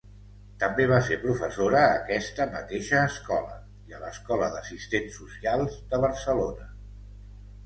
També va ser professora a aquesta mateixa escola i a l'Escola d'Assistents Socials de Barcelona.